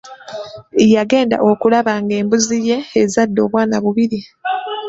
Yagenda okulaba nga embuzi ye ezadde obwana bubiri.